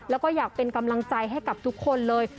แล้วก็อยากเป็นกำลังใจให้กับทุกคนเลย